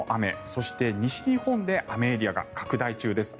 そして、西日本で雨エリアが拡大中です。